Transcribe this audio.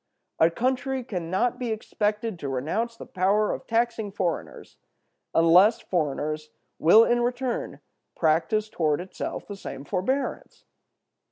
A country can not be expected to renounce the power of taxing foreigners unless foreigners will in return practice toward itself the same forbearance.